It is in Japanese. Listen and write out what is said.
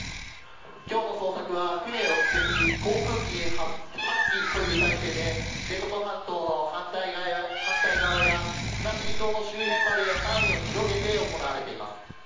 今日の捜索は船６隻航空機８機という態勢で知床半島の反対側や国後島の周辺まで範囲を広げて行われています。